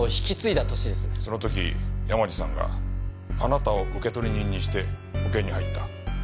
その時山路さんがあなたを受取人にして保険に入った。